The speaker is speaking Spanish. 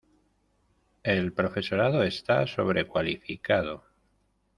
El profesorado está sobrecualificado.